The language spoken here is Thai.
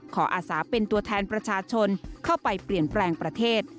อาสาเป็นตัวแทนประชาชนเข้าไปเปลี่ยนแปลงประเทศ